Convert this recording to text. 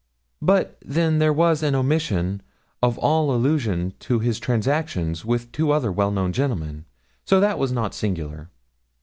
But, then, there was an omission of all allusion to his transactions with two other well known gentlemen. So that was not singular.'